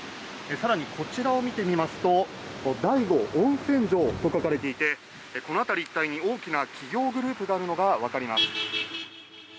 さらに、こちらを見てみますと、大午温泉城と書かれていて、この辺り一帯に大きな企業グループがあるのが分かります。